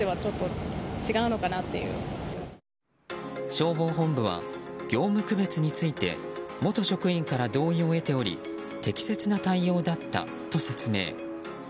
消防本部は業務区別について元職員から同意を得ており適切な対応だったと説明。